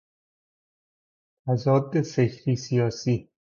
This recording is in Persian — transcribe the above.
تضاد فکری سیاسی